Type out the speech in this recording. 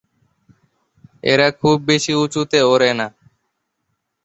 এরা খুব বেশি উঁচুতে ওড়ে না।